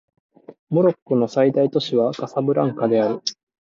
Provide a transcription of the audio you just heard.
モロッコの最大都市はカサブランカである